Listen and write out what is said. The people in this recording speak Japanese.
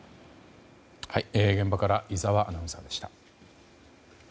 現場から井澤アナウンサーでした。